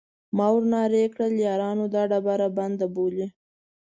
ما ور نارې کړل: یارانو دا ډبره بنده بولئ.